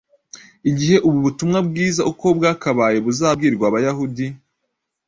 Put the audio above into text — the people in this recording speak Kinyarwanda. Igihe ubu butumwa bwiza uko bwakabaye buzabwirwa Abayahudi,